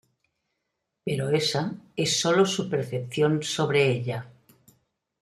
Pero esa es solo su percepción sobre ella".